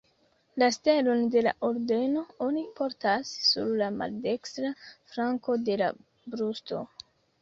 La stelon de la Ordeno oni portas sur la maldekstra flanko de la brusto.